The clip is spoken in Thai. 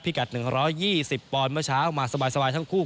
กัด๑๒๐ปอนด์เมื่อเช้ามาสบายทั้งคู่